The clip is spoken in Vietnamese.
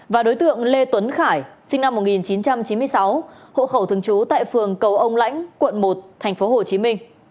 và đối tượng lê tuấn khải sinh năm một nghìn chín trăm chín mươi sáu hộ khẩu thường trú tại phường cầu ông lãnh quận một tp hcm